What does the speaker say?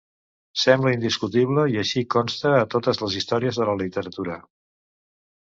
Sembla indiscutible i així consta a totes les històries de la literatura.